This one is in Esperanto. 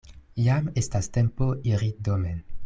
Jam estas tempo iri domen.